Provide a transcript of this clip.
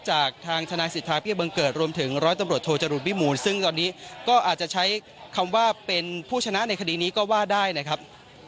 จากทางทนายสิทธาเบี้ยบังเกิดรวมถึงร้อยตำรวจโทจรุลวิมูลซึ่งตอนนี้ก็อาจจะใช้คำว่าเป็นผู้ชนะในคดีนี้ก็ว่าได้นะครับ